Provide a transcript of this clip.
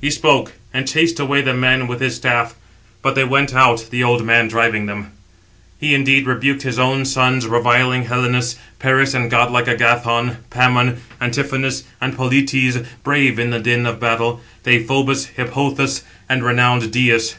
He spoke; and chased away the men with his staff; but they went out, the old man driving [them]. He indeed rebuked his own sons, reviling Helenus, Paris, and godlike Agathon, Pammon, Antiphonus, and Polites, brave in the din of battle, Deïphobus, Hippothous, and renowned Dius.